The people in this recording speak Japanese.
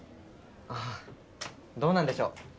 ああどうなんでしょう。